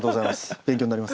勉強になります。